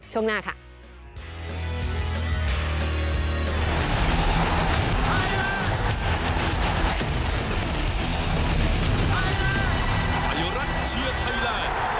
ช่วงหน้าค่ะ